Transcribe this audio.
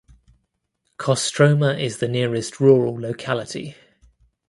Kostroma is the nearest rural locality.